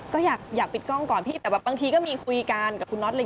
ก็อยากปิดกล้องก่อนพี่แต่แบบบางทีก็มีคุยกันกับคุณน็อตเลย